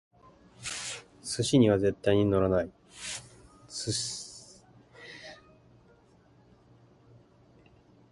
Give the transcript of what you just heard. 寿司には絶対にならない！